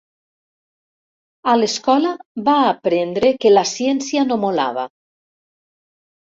A l'escola va aprendre que la ciència no molava.